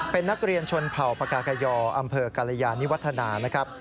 เป็นนักเรียนชนเผ่าปากากยออำเภอกรยานิวัฒนานะครับ